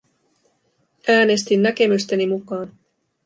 Äänestin näkemysteni mukaan.